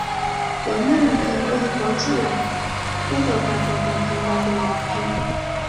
有咩問題可以講出來，呢度大部分朋友用粵拼